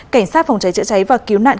cảnh sát phòng cháy chữa cháy và cứu nạn